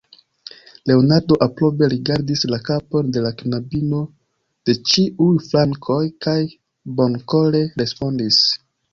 Leonardo aprobe rigardis la kapon de la knabino de ĉiuj flankoj kaj bonkore respondis: